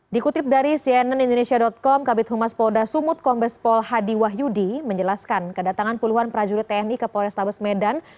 dikutip dari cnn indonesia com kabit humas polda sumut kombes pol hadi wahyudi menjelaskan kedatangan puluhan prajurit tni ke polrestabes medan